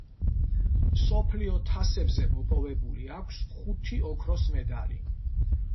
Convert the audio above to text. მსოფლიო თასებზე მოპოვებული აქვს ხუთი ოქროს მედალი.